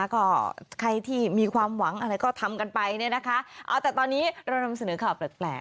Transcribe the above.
ก็ใครที่มีความหวังอะไรก็ทำกันไปเนี่ยนะคะเอาแต่ตอนนี้เรานำเสนอข่าวแปลก